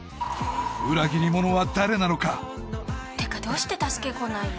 裏切り者は誰なのかってかどうして助けが来ないの？